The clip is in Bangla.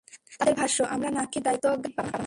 তাদের ভাষ্য, আমরা না কি দ্বায়িত্বজ্ঞানহীন বাবা-মা!